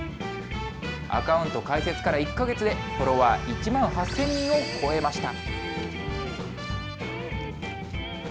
アカウント開設から１か月で、フォロワー１万８０００人を超えました。